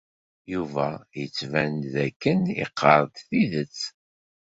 Yuba yettban-d dakken iqqar-d tidet.